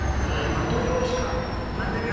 マトリョーシカの箱ね。